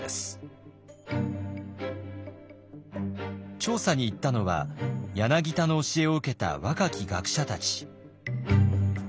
調査に行ったのは柳田の教えを受けた若き学者たち。